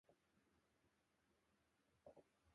僕は胸ポケットから煙草の箱を取り出し、一本煙草を抜き取る